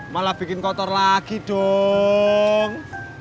malah bikin kotor lagi dong